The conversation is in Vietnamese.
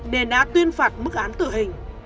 để đã tuyên phạt mức án tử hình